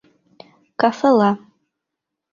Кафела.